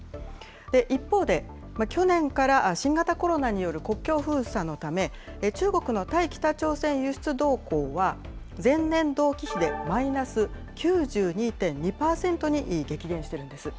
一方で、去年から新型コロナによる国境封鎖のため、中国の対北朝鮮輸出動向は前年同期比でマイナス９２．２％に激減しているんです。